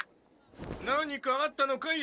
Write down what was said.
何かあったのかい？